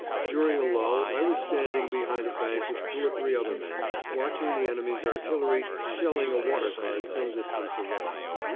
During a lull I was standing behind a bank with two or three other men, watching the enemy's artillery shelling a water cart some distance away.